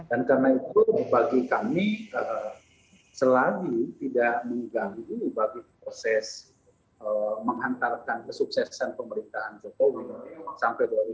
dan karena itu dibagi kami selagi tidak mengganggu bagi proses menghantarkan kesuksesan pemerintahan jokowi sampai dua ribu dua puluh empat